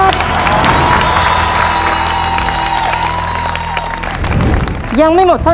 คุณฝนจากชายบรรยาย